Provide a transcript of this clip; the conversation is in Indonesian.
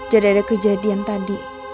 jadi ada kejadian tadi